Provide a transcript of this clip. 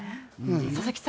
佐々木さん